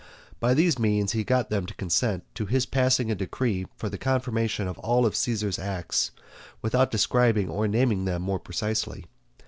By these means he got them to consent to his passing a decree for the confirmation of all Caesar's acts, without describing or naming them more precisely.